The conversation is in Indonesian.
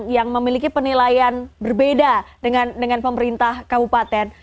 yang memiliki penilaian berbeda dengan pemerintah kabupaten